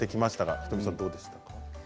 仁美さんどうでしたか。